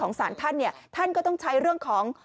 สารท่านเนี่ยท่านท่านก็ต้องใช้เรื่องของ